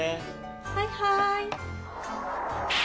はいはい。